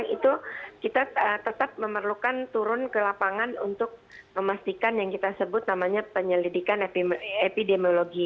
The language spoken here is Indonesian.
itu kita tetap memerlukan turun ke lapangan untuk memastikan yang kita sebut namanya penyelidikan epidemiologi